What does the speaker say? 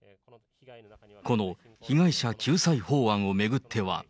この被害者救済法案を巡っては。